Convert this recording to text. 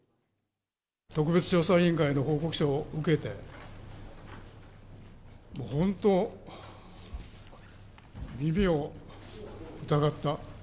特別調査委員会の報告書を受けて、もう本当、耳を疑った。